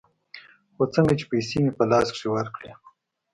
خو څنگه چې پيسې مې په لاس کښې ورکړې.